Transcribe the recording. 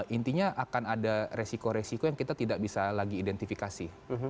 intinya akan ada resiko resiko yang kita tidak bisa lagi identifikasi